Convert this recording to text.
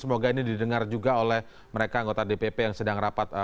semoga ini didengar juga oleh mereka anggota dpp yang sedang rapat